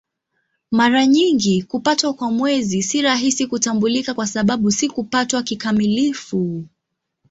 Mara nyingi kupatwa kwa Mwezi si rahisi kutambulika kwa sababu si kupatwa kikamilifu.